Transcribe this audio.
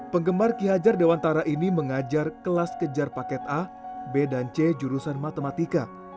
penggemar ki hajar dewantara ini mengajar kelas kejar paket a b dan c jurusan matematika